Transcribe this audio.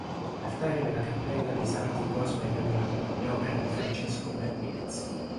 L'altare della cappella dei Santi Cosma e Damiano è opera di Francesco Martinez.